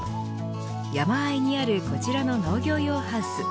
山あいにあるこちらの農業用ハウス。